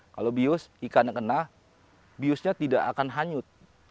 kalau bius ikan yang kena biusnya tidak akan hanyut